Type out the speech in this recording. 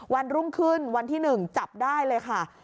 วันรุ่งขึ้นวันที่๑จับได้เลยค่ะ